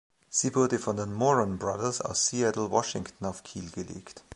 Sie wurde von den Moran Brothers aus Seattle, Washington, auf Kiel gelegt.